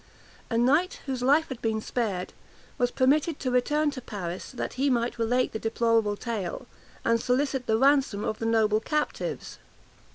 641 A knight, whose life had been spared, was permitted to return to Paris, that he might relate the deplorable tale, and solicit the ransom of the noble captives.